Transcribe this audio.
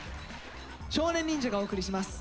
少年忍者がお送りします。